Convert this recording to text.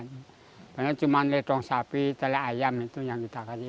karena cuma ledong sapi telai ayam itu yang kita kasih